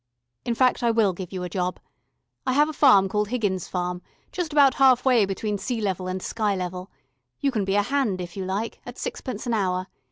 "In fact I will give you a job. I have a farm called Higgins Farm, just about half way between sea level and sky level. You can be a Hand, if you like, at sixpence an hour.